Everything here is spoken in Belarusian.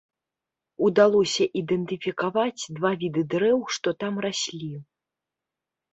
Удалося ідэнтыфікаваць два віды дрэў, што там раслі.